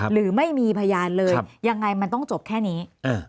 หรือไม่มีพยานเลยยังไงมันต้องจบแค่นี้